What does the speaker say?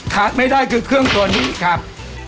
ขาดไม่ได้คือเครื่องตัวนี้ครับ